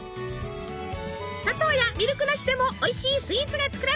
砂糖やミルクなしでもおいしいスイーツが作れる！